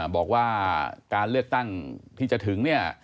บอกว่าการเลือกตั้งที่จะถึงเนี่ย